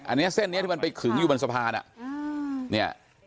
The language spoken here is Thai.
อันนี้เส้นนี้ที่มันไปขึงอยู่บนสะพานอ่ะ